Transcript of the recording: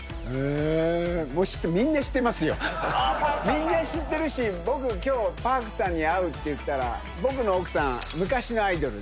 みんな知ってるし僕今日Ｐａｒｋさんに会うって言ったら僕の奥さん昔のアイドル。